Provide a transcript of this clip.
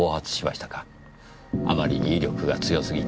あまりに威力が強すぎて。